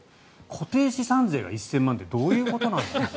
固定資産税が１０００万ってどういうことなんだ。